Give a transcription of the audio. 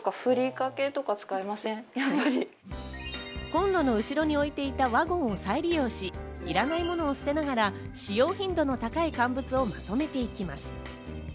コンロの後ろに置いていたワゴンを再利用し、いらないものを捨てながら使用頻度の高い乾物をまとめていきます。